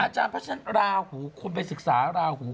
อาจารย์เพราะฉะนั้นราหูคุณไปศึกษาราหู